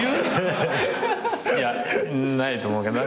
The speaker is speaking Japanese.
いやないと思うけど。